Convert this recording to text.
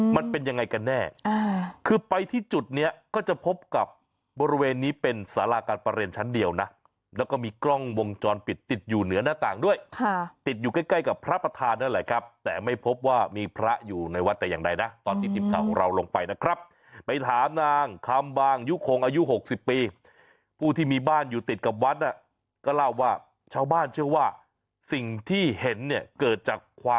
มันเป็นยังไงกันแน่คือไปที่จุดเนี้ยก็จะพบกับบริเวณนี้เป็นสาราการประเรียนชั้นเดียวนะแล้วก็มีกล้องวงจรปิดติดอยู่เหนือหน้าต่างด้วยค่ะติดอยู่ใกล้ใกล้กับพระประธานนั่นแหละครับแต่ไม่พบว่ามีพระอยู่ในวัดแต่อย่างใดนะตอนที่ทีมข่าวของเราลงไปนะครับไปถามนางคำบางยุคงอายุ๖๐ปีผู้ที่มีบ้านอยู่ติดกับวัดน่ะก็เล่าว่าชาวบ้านเชื่อว่าสิ่งที่เห็นเนี่ยเกิดจากความ